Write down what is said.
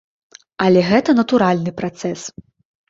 Але гэта натуральны працэс.